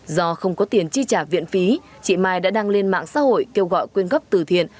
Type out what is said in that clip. do không có tiền chi trả viện phí chị mai đã đăng lên mạng xã hội kêu gọi quyên gấp từ thiện